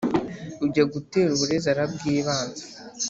Ujya gutera uburezi arabwibanza.